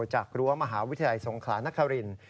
จากรั้วมหาวิทยาลัยทรงขลานักฮารินทร์